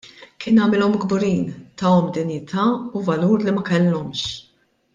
Kien għamilhom kburin, tahom dinjità u valur li ma kellhomx.